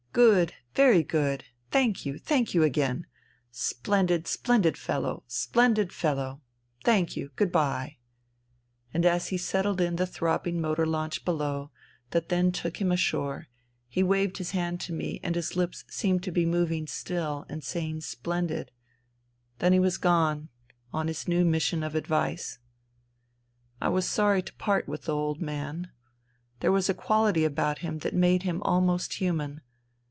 " Good. Very good. Thank you ! Thank you again I Splendid 1 Splendid fellow ! Splendid fellow ! Thank you 1 Good bye 1 " And as he settled in the throbbing motor launch below that then took him ashore, he waved his hand to me and his lips seemed to be moving still and saying '* Splendid !" Then he was gone ... on his new mission of advice. I was sorry to part with the old man. There was a quality about him that made him almost human.